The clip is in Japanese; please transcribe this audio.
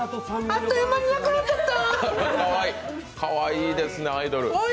あっという間になくなった！